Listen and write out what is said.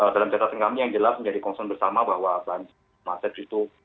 dalam catatan kami yang jelas menjadi concern bersama bahwa banjir macet itu